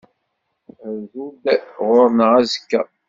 Rzu-d ɣur-neɣ azekka.